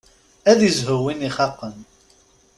Ad izhu win ixaqen.